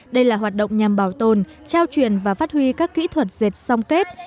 đây là hoạt động nhằm bảo tồn trao truyền và phát huy các kỹ thuật dệt song kết